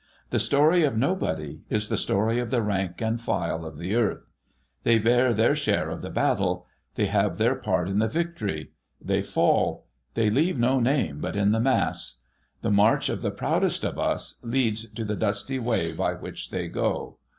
The story of Nobody is the story of the rank and file of the earth. They bear their share of the battle ; they have their part in the victory ; they fall ; they leave no name but in the mass. The march of the proudest of us, leads to the dusty way by which they go.